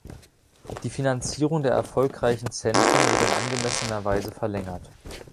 Die Finanzierung der erfolgreichen Zentren wird in angemessener Weise verlängert.